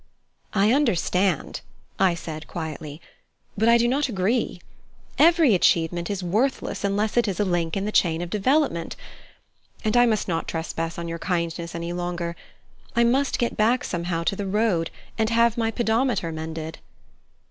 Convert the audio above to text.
"I understand," I said quietly, "but I do not agree. Every achievement is worthless unless it is a link in the chain of development. And I must not trespass on your kindness any longer. I must get back somehow to the road, and have my pedometer mended."